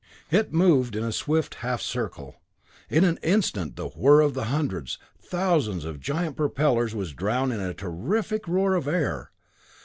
It moved in a swift half circle. In an instant the whirr of the hundreds, thousands of giant propellers was drowned in a terrific roar of air.